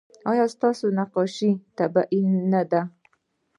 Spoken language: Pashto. ایا ستاسو نقاشي طبیعي نه ده؟